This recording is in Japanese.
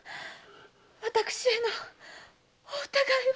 私へのお疑いは？